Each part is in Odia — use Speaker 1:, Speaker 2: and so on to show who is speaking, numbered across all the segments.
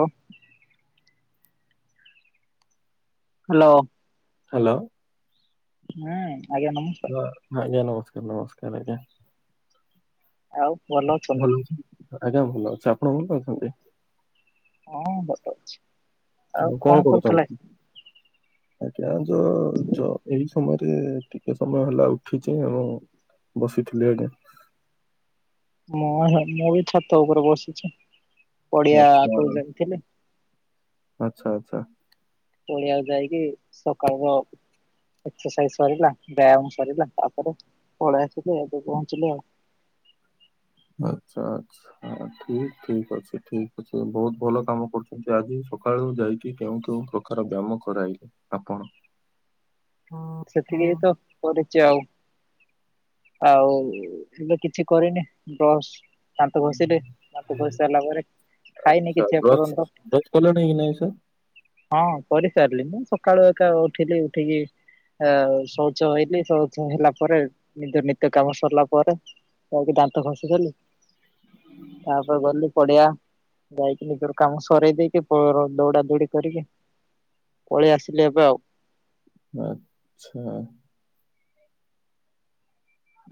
Speaker 1: ହଁ। ହ୍ୟାଲୋ।
Speaker 2: ହ୍ୟାଲୋ।
Speaker 1: ହୁଁ। ଆଜ୍ଞା ନମସ୍କାର
Speaker 2: ହଁ ଆଜ୍ଞା ନମସ୍କାର ନମସ୍କାର ଆଜ୍ଞା।
Speaker 1: ଆଉ ଭଲ ଅଛନ୍ତି?
Speaker 2: ଭଲ ଅଛି ଆଜ୍ଞା ଭଲ ଅଛି। ଆପଣ କେମିତି ଅଛନ୍ତି?
Speaker 1: ଆଛା।
Speaker 2: ଆଉ କଣ କରୁଛନ୍ତି? ଆଜ୍ଞା ଯୋ ଯ ଏଇ ସମୟରେ ଟିକେ ସମୟ ହେଲା ଉଠିଚେ ଏବଂ ବସିଥିଲି ଆଜ୍ଞା।
Speaker 1: ମୁଁ ମୁଁ ବି ଛାତ ଉପରେ ବସିଛି। ପଡିଆ
Speaker 2: ଆଚ୍ଛା
Speaker 1: ଆକୁ ଯାଇଥିଲେ।
Speaker 2: ଆଛା ଆଛା।
Speaker 1: ପଡିଆକୁ ଯାଇକି ସକାଳ ର ଏକ୍ସରସାଇଜ ସରିଲା ବ୍ୟାୟାମ ସରିଲା ତାପରେ ପଳେଇ ଆସିଲି ଏବେ ପହଞ୍ଚିଲି ଆଉ। [unintelligible] [inaudible]
Speaker 2: ଆଚ୍ଛା ଆଚ୍ଛା ଠିକ ଠିକ ଅଛି ଠିକ ଅଛି ବହୁତ ଭଲ କାମ କରୁଛନ୍ତି ଆଜି ସକାଳୁ ଯାଇକି କେଉଁ କେଉଁ ପ୍ରକାର ବ୍ୟାୟାମ କରାଇଲେ ଆପଣ?
Speaker 1: ସେତିକି ତ କରିଛି ଆଉ। ଆଉ ଏବେ କିଛି କରିନି ବ୍ରସ୍ ଦାନ୍ତ ଘଷିଲେ ଦାନ୍ତ ଘଷି ସାରିଲା ପରେ ଖାଇନି
Speaker 2: ଆଛା
Speaker 1: କିଛି
Speaker 2: ବ୍ରଶ
Speaker 1: ଏପର୍ଯ୍ୟନ୍ତ
Speaker 2: ବ୍ରଶ କଲେଣି କି ନା ସାର୍?
Speaker 1: ହଁ କରିସାରିଲି ମୁଁ ସକାଳୁ ଏକା ଉଠିଲି ଉଠିକି ଆ ଶୌଚ ହେଇଲି ଶୌଚ ହେଲା ପରେ ନିଜ ନିତ୍ୟ କାମ ସରିଲା ପରେ ଯାଇକି ଦାନ୍ତ ଘଷିଦେଲି ତାପରେ ଗଲୁ ପଡିଆ ଯାଇକି ନିଜର କାମ ସରେଇ ଦେଇକି ପର ଦୌଡା ଦୌଡି କରିକି ପଳେଇ ଆସିଲି ଏବେ ଆଉ।
Speaker 2: ଆଛା।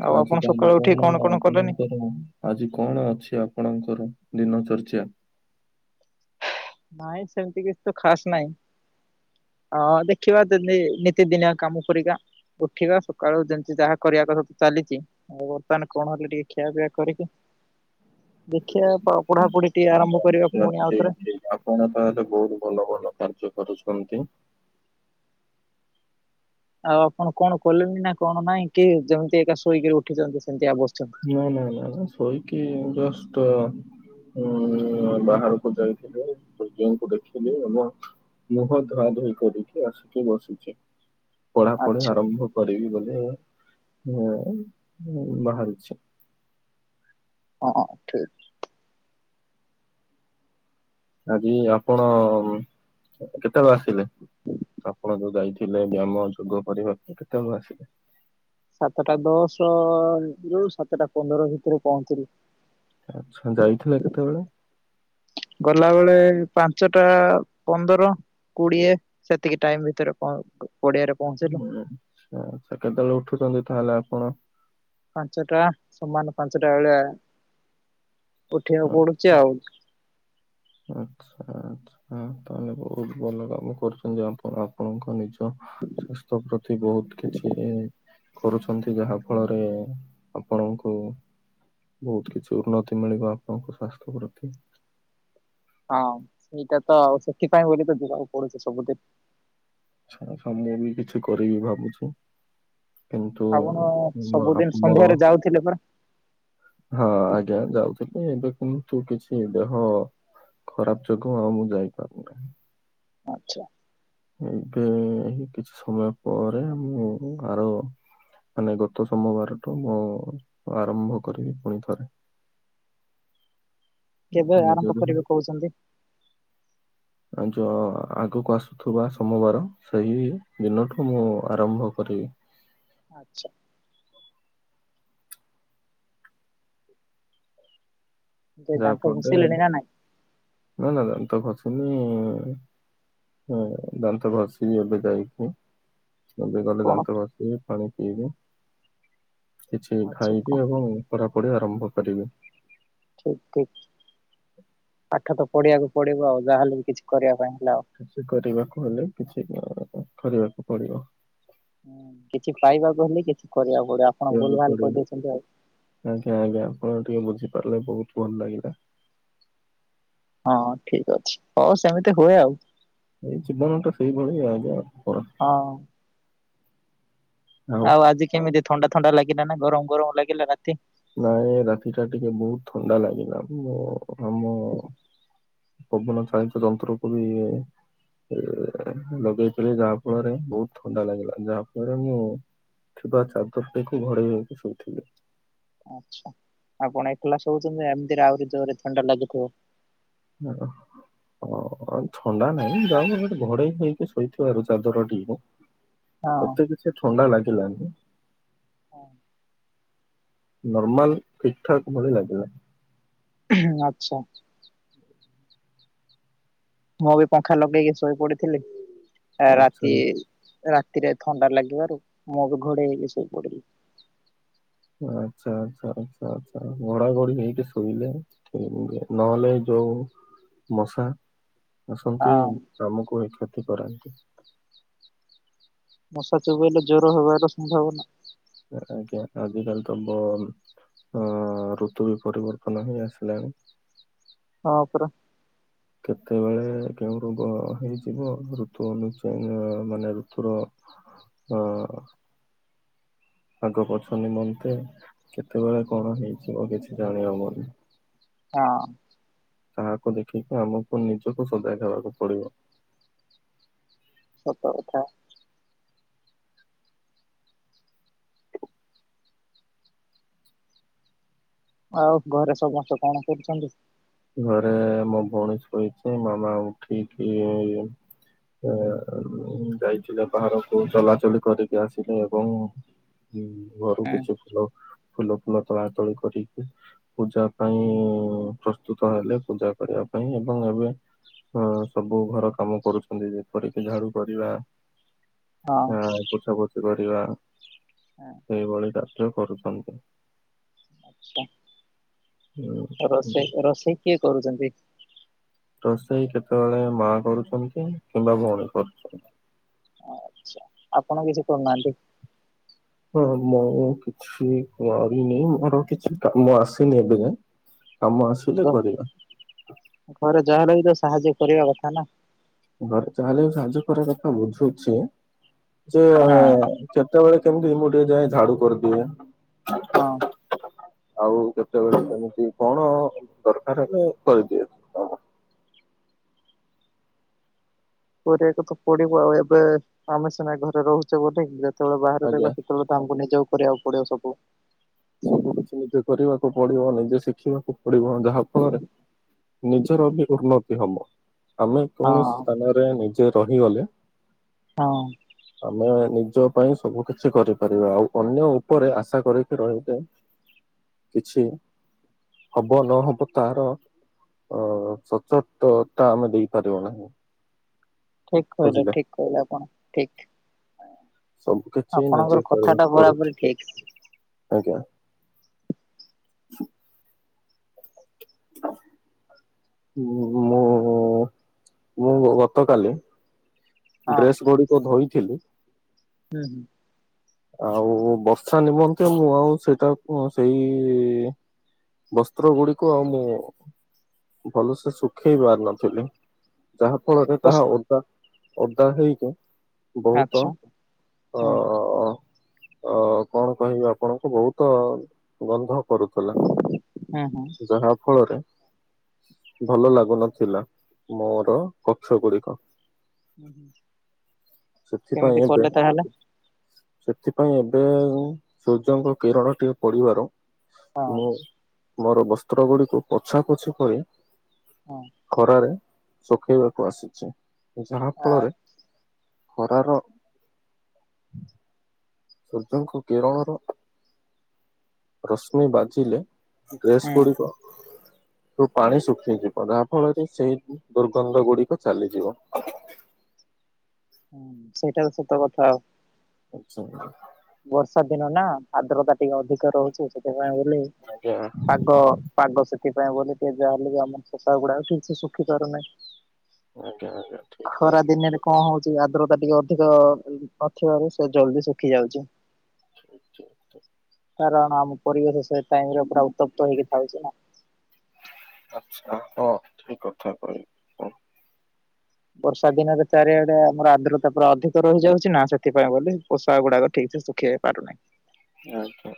Speaker 1: ଆଉ
Speaker 2: ଆଜି
Speaker 1: ଆପଣ
Speaker 2: ତାହେଲେ
Speaker 1: ସକାଳୁ
Speaker 2: କଣ
Speaker 1: ଉଠି
Speaker 2: ହେଲା ମ
Speaker 1: କଲେନି?
Speaker 2: ଆପଣଙ୍କର ଆଜି କଣ ଅଛି ଆପଣଙ୍କର? ଦିନ ର୍ଚଚ୍ଚା।
Speaker 1: ନାଇଁ ସେମିତି କିଛି ତ ଖାସ୍ ନାଇଁ। ହଁ ଦେଖିବା ଦେ ନେ ନିତି ଦିନିଆ କାମ କରିବା। ଉଠିବା ସକାଳୁ ଯେମିତି ଯାହା କରିବା କଥା ତ ଚାଲିଛି ଆଉ ବର୍ତ୍ତମାନ କଣ ହେଲେ ଟିକେ ଖିଆପିଆ କରିକି ଦେଖିବା ପଢା ପଢି ଟିକେ ଆରମ୍ଭ କରିବା ପୁଣି ଆଉ ଥରେ।
Speaker 2: କଣ ତାହେଲେ ବହୁତ ଭଲ ଭଲ କାର୍ଯ୍ୟ କରୁଛନ୍ତି।
Speaker 1: ଆଉ ଆପଣ କଣ କଲେଣି ନା କଣ ନାଇଁ କି ଯେମିତି ଏକା ଶୋଇକିରି ଉଠିଛନ୍ତି ସେମିତି ଅବସ୍
Speaker 2: ନା ନା ନା ନା ସୋଇକି ଜଷ୍ଟ୍ ହଁ ବାହାରକୁ ଯାଇଥିଲି ସୂର୍ଯ୍ୟ ଙ୍କୁ ଦେଖିଲି ଅନ୍ୟ ମୁହଁ ଧୁଆ ଧୋଇ କରିକି ଆସିକି ବସିଛି। ପଢା ପଢି
Speaker 1: ଆଚ୍ଛା
Speaker 2: ଆରମ୍ଭ କରିବି ବୋଲି ଏ ମୁ ବାହାରୁ ଛି।
Speaker 1: ହଁ ଠିକ୍।
Speaker 2: ଆଜି ଆପଣ କେତେବେଳେ ଆସିଲେ? ଆପଣ ଯୋଉ ଯାଇଥିଲେ ବ୍ୟାୟାମ ଯୋଗ କରିବାକୁ କେତେବେଳେ ଆସିଲେ?
Speaker 1: ସାତଟା ଦଶରୁ ସାତଟା ପନ୍ଦର ଭିତରେ ପହଞ୍ଚିଲି।
Speaker 2: ଆଚ୍ଛା ଯାଇଥିଲେ କେତେବେଳେ?
Speaker 1: ଗଲାବେଳେ ପାଞ୍ଚେଟା ପନ୍ଦର କୋଡିଏ ସେତିକି ଟାଇମ୍ ଭିତେରେ କଣ କ
Speaker 2: ହୁଁ ଆଛା ଆଛା କେତେବେଳେ ଉଠୁଛନ୍ତି ତାହେଲେ ଆପଣ?
Speaker 1: ପାଞ୍ଚଟା ସମାନେ ପାଞ୍ଚେଟା ବେଳେ ଆ ଉଠିବାକୁ ପଡୁଛି ଆଉ।
Speaker 2: ଆଛା ଆଛା ତାହେଲେ ବହୁତ ଭଲ କାମ କରୁଛନ୍ତି ଆପଣ ଆପଣଙ୍କ ନିଜ ସ୍ୱାସ୍ଥ୍ୟ ପ୍ରତି ବହୁତ କିଛି କରୁଛନ୍ତି ଯାହା ଫଳରେ ଆପଣଙ୍କୁ ବହୁତ କିଛି ଉନ୍ନତି ମିଳିବ ଆପଣଙ୍କ ସ୍ୱାସ୍ଥ୍ୟ ପ୍ରତି।
Speaker 1: ହଁ ସେଇଟା ତ ଆଉ ସେଥିପାଇଁ ବୋଲି ତ ଯିବାକୁ ପଡୁଛି ସବୁଦିନ।
Speaker 2: ହଁ ସୋ ମୁଁ ବି କିଛି କରିବି ଭାବୁଛି। କିନ୍ତୁ
Speaker 1: ଆପଣ
Speaker 2: ମୋର ଆ
Speaker 1: ସବୁଦିନ
Speaker 2: ମୋର
Speaker 1: ସନ୍ଧ୍ୟାରେ ଯାଉଥିଲେ ପରା
Speaker 2: ହଁ ଆଜ୍ଞା ଯାଉଥିଲି ଏବେ କିନ୍ତୁ କିଛି ଦେହ ଖରାପ ଯୋଗୁଁ ଆଉ ମୁଁ ଯାଇପାରୁ ନାହିଁ।
Speaker 1: ଆଚ୍ଛା।
Speaker 2: ଏବେ ଏଇ କିଛି ସମୟ ପରେ ମୁଁ ଆର ମାନେ ଗତ ସୋମବାରଠୁ ମୁଁ ଆରମ୍ଭ କରିବି ପୁଣି ଥରେ।
Speaker 1: କେବେ
Speaker 2: ନିଜ
Speaker 1: ଆରମ୍ଭ
Speaker 2: ଦେହ
Speaker 1: କରିବେ କହୁଛନ୍ତି?
Speaker 2: ଆ ଯୋ ଆଗକୁ ଆସୁଥିବା ସୋମବାର ସେହି ଦିନଠୁ ମୁଁ ଆରମ୍ଭ କରି
Speaker 1: ଆଚ୍ଛା। ଯେ
Speaker 2: ଯା
Speaker 1: ଦାନ୍ତ
Speaker 2: ଫଳରେ
Speaker 1: ଘଷିଲେଣି ନା ନାଇଁ
Speaker 2: ନାଁ ନାଁ ଦମ୍ଭ ଅଛି। ଉଁ ହୁଁ ଦାନ୍ତ ଘଷିଲି ଏବେ ଯାଇକି। ଏବେ ଗଲେ
Speaker 1: କଣ
Speaker 2: ଦାନ୍ତ ଘଷିକି ପାଣି ପିଇବି। କିଛି
Speaker 1: ଅଛି କଣ
Speaker 2: ଖାଇବି ଏବଂ ପଢ଼ା ପଢ଼ି ଆରମ୍ଭ କରିବି।
Speaker 1: ଠିକ୍ ଠିକ୍ ପାଠ ତ ପଢିବାକୁ ପଡିବ ଆଉ ଯାହା ହେଲେ ବି କିଛି କରିବା ପାଇଁ। ହେଲା ଆଉ।
Speaker 2: କିଛି କରିବାକୁ ହେଲେ କିଛି ଅ କରିବାକୁ ପଡିବ।
Speaker 1: ଉଁ କିଛି ପାଇବାକୁ ହେଲେ କିଛି କରିବାକୁ ପଡିବ ଆପଣ
Speaker 2: କରିବାକୁ
Speaker 1: ଭୁଲ୍ ଭାଲ୍
Speaker 2: ପଡିବ।
Speaker 1: କହି ଦେଉଛନ୍ତି ଆଉ।
Speaker 2: ଆଜ୍ଞା ଆଜ୍ଞା ଆପଣ ଟିକେ ବୁଝିପାରିଲେ ବହୁତ୍ ଭଲ ଲାଗିଲା।
Speaker 1: ହଁ ଠିକ୍ ଅଛି ହଉ ସେମିତି ହୁଏ ଆଉ।
Speaker 2: ଏଇ ଜୀବନଟା ସେଇଭଳି ଆଜ୍ଞା। ପରା।
Speaker 1: ହଁ। ଆଉ ଆଜି କେମିତି ଥଣ୍ଡା, ଥଣ୍ଡା ଲାଗିଲା ନା ଗରମ ଗରମ ଲାଗିଲା ରାତି?
Speaker 2: ନାଇଁ ରାତିଟା ଟିକେ ବହୁତ୍ ଥଣ୍ଡା ଲାଗିଲା ମୋ ଆମ ପବନ ଚାଳିତ ଯନ୍ତ୍ରକୁ ବି ଇଏ ଲଗେଇଥିଲେ ଯାହା ଫଳରେ ବହୁତ ଥଣ୍ଡା ଲାଗିଲା, ଯାହା ଫଳରେ ମୁଁ ଥିବା ଚାଦରଟିକୁ ଘୋଡେଇ ହୋଇକି ଶୋଇଥିଲି।
Speaker 1: ଆଚ୍ଛା ଆପଣ ଏକଲା ଶୋଉଛନ୍ତି, ଏମିତିରେ ଆହୁରି ଜୋରରେ ଥଣ୍ଡା ଲାଗୁଥିବ।
Speaker 2: ହଁ। ହଁ ଥଣ୍ଡା ନାହିଁ ଜଷ୍ଟ ମୁଁ ଗୋଟେ ଘୋଡେଇ ହେଇକି, ଶୋଇଥିବାରୁ ଚାଦର ଟି
Speaker 1: ହଁ।
Speaker 2: ଏତେ କିଛି ଥଣ୍ଡା ଲାଗିଲାନି
Speaker 1: ହଁ।
Speaker 2: ନର୍ମାଲ ଠିକ୍ ଠାକ୍ ଭଳି ଲାଗିଲା।
Speaker 1: ଆଚ୍ଛା। ମୁଁ ବି ପଙ୍ଖା ଲଗେଇକି ଶୋଇ ପଡିଥିଲି। ଆ
Speaker 2: ଆଚ୍ଛା
Speaker 1: ରାତି ରାତିରେ ଥଣ୍ଡା ଲାଗିବାରୁ ମୁହଁକୁ, ଘୋଡେଇ ହେଇକି ଶୋଇ ପଡିଲି
Speaker 2: ଆଚ୍ଛା, ଆଚ୍ଛା, ଆଚ୍ଛା, ଆଚ୍ଛା ଘୋଡାଘୋଡ଼ି ହେଇକି ଶୋଇଲେ ଠିକ୍ ନହଲେ ଏ ଯୋ ଯୋଉ ମଶା ଆସନ୍ତି
Speaker 1: ହଁ
Speaker 2: ଆମକୁ ଏହି କ୍ଷତି କରାନ୍ତି।
Speaker 1: ମଶା ଚୋବେଇଲେ ଜ୍ୱର ହେବାର ସମ୍ଭାବନା
Speaker 2: ଆଜ୍ଞା ଆଜିିକାଲି ତ ବ ଅ ଋତୁ ବି ପରିବର୍ତ୍ତନ ହେଇ ଆସିଲାଣି।
Speaker 1: ହଁ ପରା।
Speaker 2: କେତେବେଳେ କେଉଁ ରୋଗ ହେଇଯିବ ଋତୁ ଅନୁଯାୟୀ ଅ ମାନେ ଋତୁର ଅ ଆଗପଛ ନିମନ୍ତେ କେତେବେଳେ କଣ ହେଇଯିବ କିଛି ଜାଣି ହବନି।
Speaker 1: ହାଁ।
Speaker 2: କାହାକୁ ଦେଖିକି ଆମକୁ ନିଜକୁ ସଜାଗ ହେବାକୁ ପଡିବ।
Speaker 1: ସତ କଥା। ଆଉ ଘରେ ସମସ୍ତେ କଣ କରୁଛନ୍ତି?
Speaker 2: ଘରେ ମୋ ଭଉଣୀ ଶୋଇଛି ମାମା ଉଠିକି ଇ ଆ ଯାଇଥିଲେ ବାହାରକୁ ଚଲାଚଲି କରିକି ଆସିଲେ ଏବଂ ହଁ ଘରୁ
Speaker 1: ଏଁ
Speaker 2: କିଛି ଫୁଲ ଫୁଲ ଫୁଲ ତୋଳା ତୋଳି କରିକି ପୂଜା ପାଇଁ ପ୍ରସ୍ତୁତ ହେଲେ ପୂଜା କରିବା ପାଇଁ ଏବଂ ଏବେ ହଁ ସବୁ ଘର କାମ କରୁଛନ୍ତି ଯେପରିକି ଝାଡୁ କରିବା। ହଁ ପୋଛା ପୋଛି କରିବା
Speaker 1: ହଁ
Speaker 2: ସେଇଭଳି ତ କରୁଛନ୍ତି।
Speaker 1: ଆଛା ରୋଷେଇ ରୋଷେଇ କିଏ କରୁଛନ୍ତି?
Speaker 2: ରୋଷେଇ କେତେବେଳେ ମା କରୁଛନ୍ତି କିମ୍ବା ଭଉଣୀ କରୁଛନ୍ତି।
Speaker 1: ଆଚ୍ଛା ଆପଣ କିଛି କରୁନାହାନ୍ତି?
Speaker 2: ହଁ ମୁଁ କିଛି କରିନି ମୋର କିଛି କ ମୁଁ ଆସିନି ଏବେ କାମ ଆସିଲେ କରିବି।
Speaker 1: ଛ ଘରେ ଯହାଲ ବି ତ ସାହାଯ୍ୟ କରିବା କଥା ନା?
Speaker 2: ଘରେ ତାହେଲେ ସାଜ ଖରା କଥା ବୁଝୁଛି। ଯେ
Speaker 1: ହଁ
Speaker 2: କେତେବେଳେ କେମତି ଏଇମଠି ଯଏ ଝାଡୁ କରିଦିଏ
Speaker 1: ହଁ।
Speaker 2: ଆଉ କେତେବେଳେ କେମିତି କଣ ଦରକାର ହେବେ କରିଇଦିଅ
Speaker 1: କରିବାକୁ ତ ପଡିବ ଆଉ ଏବେ ଆମେ ସିନା ଘରେ ରହୁଛେ ବୋଲି ଯେତେବେଳେ ବାହାରେ
Speaker 2: ଆଜ୍ଞା।
Speaker 1: ରହିବ ସେତେବେଳେ ତ ଆମକୁ ନିଜକୁ କରିବାକୁ ପଡିବ ସବୁ।
Speaker 2: ସବୁ କିଛି ନିଜେ କରିବାକୁ ପଡିବ ନିଜେ ଶିଖିବାକୁ ପଡିବ ଯାହା ଫଳରେ ନିଜର ବି ଉନ୍ନତି ହବ। ଆମେ କୌଣସି
Speaker 1: ହଁ
Speaker 2: ସ୍ଥାନରେ ନିଜେ ରହିଗଲେ
Speaker 1: ହଁ।
Speaker 2: ଆମେ ନିଜ ପାଇଁ ସବୁ କିଛି କରିପାରିବା। ଆଉ ଅନ୍ୟ ଉପରେ ଆଶା କରିକି ରହି କିଛି ହବ ନହବ ତାର ଅ ସତର୍କତା ଆମେ ଦେଇପାରିବ ନାହିଁ।
Speaker 1: ଠିକ୍ କହିଲେ
Speaker 2: ବୁଝିଲେ।
Speaker 1: ଠିକ୍ କହିଲେ ଆପଣ ଠିକ୍।
Speaker 2: ସବୁ କିଛି ନିଜେ
Speaker 1: ଆପଣଙ୍କର କଥା
Speaker 2: କରିବାକୁ
Speaker 1: ଟା
Speaker 2: ପଡେ
Speaker 1: ବରାବରି ଠିକ୍।
Speaker 2: ଆଜ୍ଞା [unintelligible] ହୁଁ ମୋ ମୁଁ ଗତକାଲି
Speaker 1: ହଁ
Speaker 2: ଡ୍ରେସ୍ ଗୁଡିକ ଧୋଇଥିଲି।
Speaker 1: ହୁଁ ହୁଁ।
Speaker 2: ଆଉ ବର୍ଷା ନିମନ୍ତେ ମୁଁ ଆଉ ସେଇଟାକୁ ସେଇ ବସ୍ତ୍ର ଗୁଡିକୁ ଆଉ ମୁଁ ଭଲସେ ଶୁଖେଇ ପାରିନଥିଲି। ଯାହା ଫଳରେ ତାହା
Speaker 1: ପସ୍-
Speaker 2: ଓଦା ଓଦା ହେଇକି ବହୁତ
Speaker 1: ଆଚ୍ଛା ହୁଁ
Speaker 2: ଅ ଅ କଣ କହିବି ଆପଣଙ୍କୁ ବହୁତ ଗନ୍ଧ କରୁଥିଲା?
Speaker 1: ହୁଁ ହୁଁ।
Speaker 2: ଯାହା ଫଳରେ ଭଲ ଲାଗୁନଥିଲା। ମୋର କକ୍ଷ ଗୁଡିକ।
Speaker 1: ହୁଁ ହୁଁ
Speaker 2: ସେଥିପାଇଁ
Speaker 1: କେମିତି
Speaker 2: ଏବେ
Speaker 1: କଲେ ତାହେଲେ?
Speaker 2: ସେଥିପାଇଁ ଏବେ ସୂର୍ଯ୍ୟଙ୍କ କିରଣ ଟିକେ ପଡିବାର,
Speaker 1: ହଁ
Speaker 2: ମୁଁ ମୋର ବସ୍ତ୍ର ଗୁଡିକୁ ପୋଛା ପୋଛି କରି
Speaker 1: ହଁ
Speaker 2: ଖରାରେ ଶୁଖେଇବାକୁ ଆସିଚି ଯାହା
Speaker 1: ଆ
Speaker 2: ଫଳରେ ଖରା ର ସୂର୍ଯ୍ୟଙ୍କୁ କିରଣର ରଶ୍ମି ବାଜିଲେ ଡ୍ରେସ୍
Speaker 1: ହୁଁ
Speaker 2: ଗୁଡ଼ିକ ତୁ ପାଣି ଶୁଖିଯିବ ଯାହା ଫଳରେ ସେଇ ଦୁର୍ଗନ୍ଧ ଗୁଡିକ ଚାଲିଯିବ।
Speaker 1: ହଁ ସେଇଟା ସତ କଥା ଆଉ।
Speaker 2: ଆଚ୍ଛା [unintelligible]
Speaker 1: ବର୍ଷା ଦିନ ନା ଆଦ୍ରତା ଟିକେ ଅଧିକ ରହୁଛି, ସେଥିପାଇଁ ବୋଲି
Speaker 2: ଆଜ୍ଞା
Speaker 1: ପାଗ ପାଗ ସେ ସେଇଥି ପାଇଁ ବୋଧେ ଟିକେ ଯାହେଲେ ବି ଆମର ଶୁଖୁଆ ଗୁଡାକ ଠିକ ସେ ଶୁଖି ପାରୁନାହିଁ।
Speaker 2: ଆଜ୍ଞା ଆଜ୍ଞା ଠିକ୍
Speaker 1: ଖରା
Speaker 2: ଜାଣିଲେ।
Speaker 1: ଦିନେରେ କଣ ହଉଛି, ଆଦ୍ରତା ଟିକେ ଅ ଅଧିକ ନଥିବାରୁ ସେ ଜଲ୍ଦି ଶୁଖି ଯାଉଛି।
Speaker 2: [inaudible]
Speaker 1: କାରଣ ଆମ ପରିବେଶ ସେ ଟାଇମ ରେ ପୁରା ଉତ୍ତପ୍ତ ହେଇକି ଥାଉ ଛି ନା।
Speaker 2: ଆଚ୍ଛା ହଁ। ଠିକ୍ କଥା କହିଲେ ହଁ।
Speaker 1: ବର୍ଷା ଦିନରେ ଚାରିଆଡେ ଆମର ଆର୍ଦ୍ରତା ପୁରା ଅଧିକ ରହିଯାଉଛି ନା, ସେଥିପାଇଁ ବୋଲି ପୋଷାକ ଗୁଡା ଠିକ ସେ ପାରୁନାଇଁ।
Speaker 2: ଆଚ୍ଛା,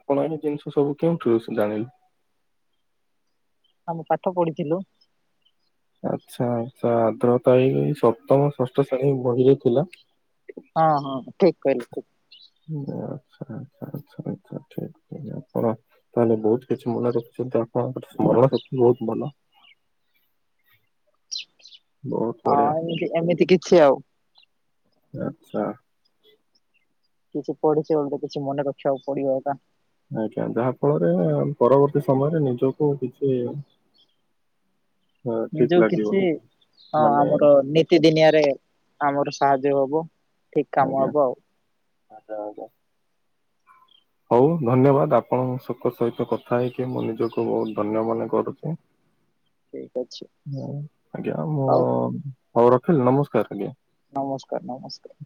Speaker 2: ଆପଣ ଏଇ ଜିନିଷ ସବୁ କେଉଠୁ ବେଶୀ ଜାଣିଲେ?
Speaker 1: ଆମେ ପାଠ ପଢିଥିଲୁ।
Speaker 2: ଆଚ୍ଛା ଆଚ୍ଛା ଆର୍ଦ୍ରତା ଏଇ ସପ୍ତମ ଷଷ୍ଠ ଶ୍ରେଣୀ ବହିରେ ଥିଲା।
Speaker 1: ହଁ ହଁ ଠିକ କହିଲେ ଠିକ।
Speaker 2: ଆଚ୍ଛା ଆଚ୍ଛା ଆଚ୍ଛା ଆଚ୍ଛା ଠିକ ଅଛି ଆଜ୍ଞା ଆପଣ ତାହେଲେ ବହୁତ କିଛି ମନେ ରଖିଛନ୍ତି ଆଉ। ଆପଣଙ୍କର ସ୍ମରଣ ଶକ୍ତି ବହୁତ ଭଲ। ବହୁତ
Speaker 1: ହଁ
Speaker 2: ବଢିଆ।
Speaker 1: ଏମିତି ଏମିତି କିଛି ଆଉ।
Speaker 2: ଆଚ୍ଛା।
Speaker 1: କିଛି ପଢିଛେ ବୋଲି ତ କିଛି ମନେ ରଖିବାକୁ ପଡିବ ନା।
Speaker 2: ଆଜ୍ଞା ଯାହା ଫଳରେ, ପରବର୍ତ୍ତୀ ସମୟରେ ନିଜକୁ କିଛି ଅ, ଠିକ
Speaker 1: ନିଜକୁ
Speaker 2: ଲାଗିବ
Speaker 1: କିଛି ହଁ
Speaker 2: ମାନେ
Speaker 1: ଆମର ନିତି ଦିନିଆରେ ଆମର ସାହାଯ୍ୟ ହବ ଠିକ କାମ ହବ ଆଉ।
Speaker 2: ଆଛା ଆଛା ହଉ ଧନ୍ୟବାଦ, ଆପଣଙ୍କ ସହିତ କଥା ହେଇକି ମୁଁ ନିଜକୁ ବହୁତ ଧନ୍ୟ ମନେ କରୁଛି।
Speaker 1: ଠିକ ଅଛି
Speaker 2: ହଉ। ଆଜ୍ଞା ମୁଁ
Speaker 1: ହଉ
Speaker 2: ହଉ ରଖିଲି ନମସ୍କାର ଆଜ୍ଞା।
Speaker 1: ନମସ୍କାର ନମସ୍କାର।